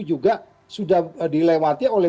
juga sudah dilewati oleh